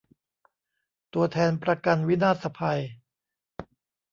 ตัวแทนประกันวินาศภัย